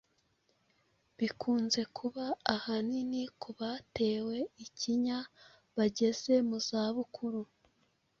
bikunze kuba ahanini ku batewe ikinya bageze mu zabukuru,